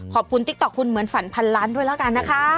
ติ๊กต๊อกคุณเหมือนฝันพันล้านด้วยแล้วกันนะคะ